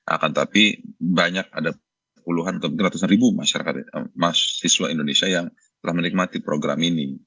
akan tapi banyak ada puluhan ratusan ribu masyarakat mahasiswa indonesia yang telah menikmati program ini